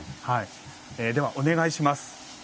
では、お願いします。